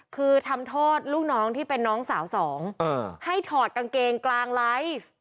คือทำโทษลูกน้องที่เป็นน้องสาวสองให้ถอดกางเกงกลางไลฟ์